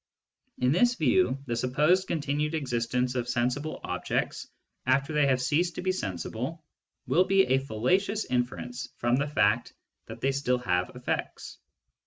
In this view, the supposed continued existence of sensible objects after they have ceased to be sensible will be a fallacious inference from the fact that they still have effects.